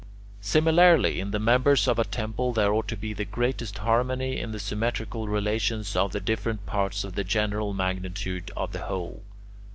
Similarly, in the members of a temple there ought to be the greatest harmony in the symmetrical relations of the different parts to the general magnitude of the whole.